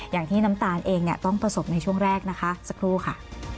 อย่างที่น้ำตาลเองเนี่ยต้องประสบในช่วงแรกนะคะสักครู่ค่ะ